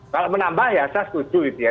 kalau menambah ya saya setuju gitu ya